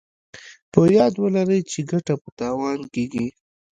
په ياد ولرئ چې ګټه په تاوان کېږي.